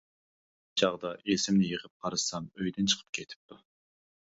بىر چاغدا ئېسىمنى يىغىپ قارىسام ئۆيدىن چىقىپ كېتىپتۇ.